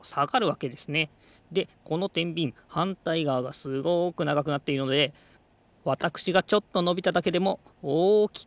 でこのてんびんはんたいがわがすごくながくなっているのでわたくしがちょっとのびただけでもおおきくうごくと。